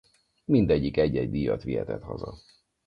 Mindegyik egy-egy díjat vihetett haza.